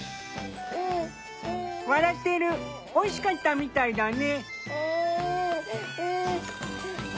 笑ってるおいしかったみたいだね。